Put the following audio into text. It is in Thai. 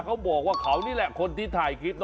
เขาบอกว่าเขานี่แหละคนที่ถ่ายคลิป